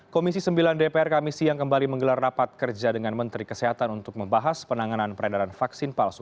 komisi sembilan dpr kami siang kembali menggelar rapat kerja dengan menteri kesehatan untuk membahas penanganan peredaran vaksin palsu